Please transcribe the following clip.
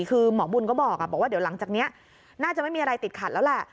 คือหมอบุญก็บอกว่าเดี๋ยวหลังจากนี้น่าจะไม่มีอะไรติดขัดแล้วแหละ